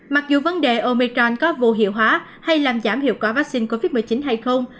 mặc dù vấn đề omechon có vô hiệu hóa hay làm giảm hiệu quả vaccine covid một mươi chín hay không